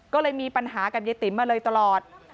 ก็เลยมีปัญหากับยายติ๋มมาเลยตลอด